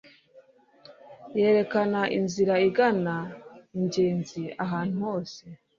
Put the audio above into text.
yerekana inzira igana ingenzi ahantu hose